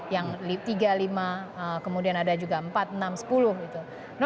yang tiga lima kemudian ada juga empat enam sepuluh itu